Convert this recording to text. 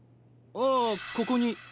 ああここに。